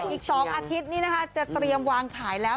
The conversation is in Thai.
อีก๒อาทิตย์จะเตรียมวางขายแล้ว